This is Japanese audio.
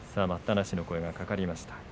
待ったなしの声がかかりました。